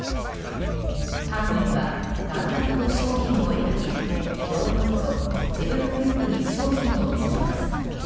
犯人は淡々と商品を選び堂々と自分のリュックに商品を詰めます。